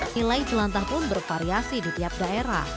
nilai celantah pun bervariasi di tiap daerah